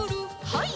はい。